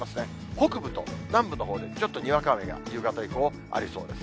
北部と南部のほうでちょっと、にわか雨が夕方以降、ありそうです。